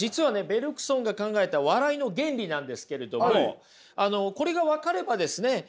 ベルクソンが考えた笑いの原理なんですけれどもこれが分かればですね